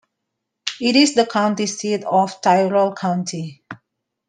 It is the county seat of Tyrrell County.